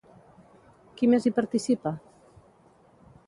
Qui més hi participa?